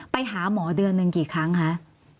ไปหาหมอเดือนหนึ่งกี่ครั้งคะ